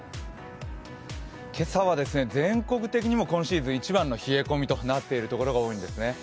今朝は全国的にも今シーズン一番の冷え込みとなっているところが多いんですね。